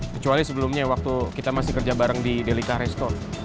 kecuali sebelumnya waktu kita masih kerja bareng di delica resto